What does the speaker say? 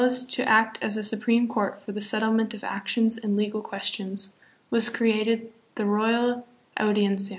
as to act as a supreme court for the settlement of actions and legal questions, was created the " Royal Audiencia."